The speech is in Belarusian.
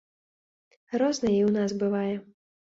Рознае і ў нас бывае.